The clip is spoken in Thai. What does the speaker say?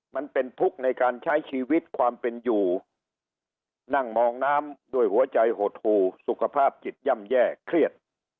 มันเป็นทุกข์ในการใช้ชีวิตความเป็นอยู่นั่งมองน้ำด้วยหัวใจหดหูสุขภาพจิตย่ำแย่เครียด